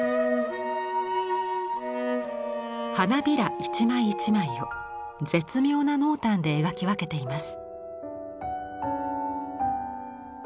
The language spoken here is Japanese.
花びら一枚一枚を絶妙な濃淡で描き分けています。